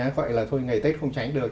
vậy là thôi ngày tết không tránh được